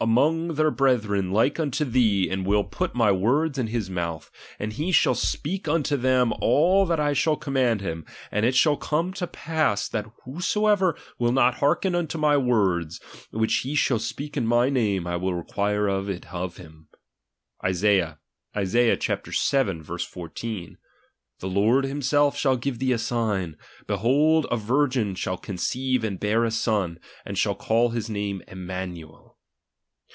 ^:tmong their brethren, like unto thee, and will put '^■ay words in his mouth, and he shall speak unto ■^hem all that I shall command him ; atid it shall •*:}ome to pass, that whosoever will not hearken unto '^ny words, which he shall speak in my name, I will require it of him. Isaiah (Isai.vii. 14): The Lord ■^limseff shall give thee a sign ; Beltold a virgin shall conceive and bear a son, and shall call his :siame Emmanuel.